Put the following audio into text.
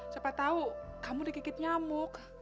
siapa tahu kamu dikikit nyamuk